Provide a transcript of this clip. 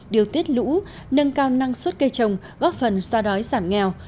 điều tiết lũ nâng cao năng suất cây trồng góp phần xoa đói giảm nghèo